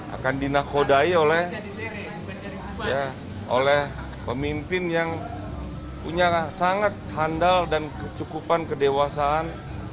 akan dinakodai oleh pemimpin yang punya sangat handal dan kecukupan kedewasaan